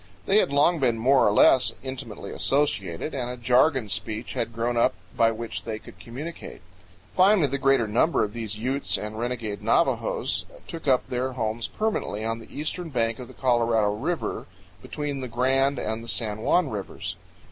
They had long been more or less intimately associated, and a jargon speech had grown up by which they could communicate. Finally, the greater number of these Utes and renegade Navajos took up their homes permanently on the eastern bank of the Colorado River between the Grand and the San Juan rivers.